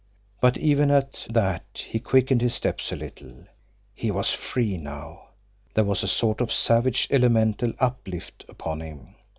But even at that he quickened his steps a little. He was free now! There was a sort of savage, elemental uplift upon him.